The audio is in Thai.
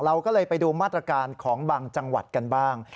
เราก็เลยไปดูมาตรการของบางจังหวัดกันบ้าง